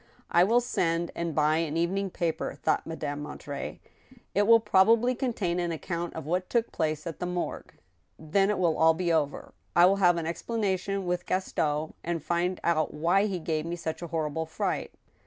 " I will send and buy an evening paper," thought Madame Mon terey ," it will probably contain an account of what took place at the morgue. ... Then it will all be over. I will have an explana tion with Gaston, and find out why he gave me such a horrible fright."